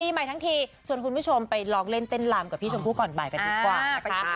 ใหม่ทั้งทีชวนคุณผู้ชมไปลองเล่นเต้นลำกับพี่ชมพู่ก่อนบ่ายกันดีกว่านะคะ